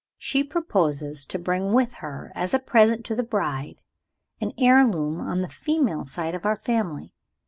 "She proposes to bring with her, as a present to the bride, an heirloom on the female side of our family.